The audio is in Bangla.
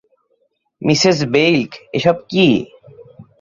মিসেস বেইলক, এসব কী?